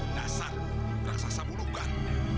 dasar raksasa bulunggan